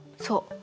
そう。